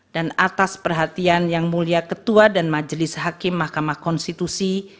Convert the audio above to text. dan atas perhatian yang mulia ketua dan majelis hakim mahkamah konstitusi